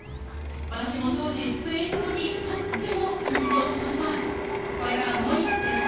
私も当時出演した時とっても緊張しました！